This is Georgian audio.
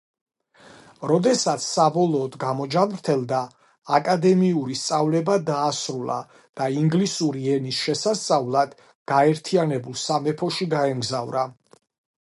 როდესაც საბოლოოდ გამოჯანმრთელდა, აკადემიური სწავლება დაასრულა და ინგლისური ენის შესასწავლად გაერთიანებულ სამეფოში გაემგზავრა.